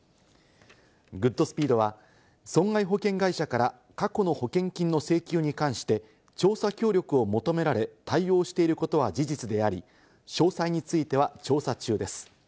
グッドスピードは、損害保険会社から過去の保険金の請求に関して調査協力を求められ対応していることは事実であり、詳細については調査中です。